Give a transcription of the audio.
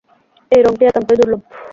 এই রংটি একান্তই দুর্লভ।